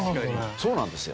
そうなんですよ。